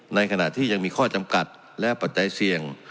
ในขณะที่ยังมีข้อจำกัดและปัจจัยเสี่ยง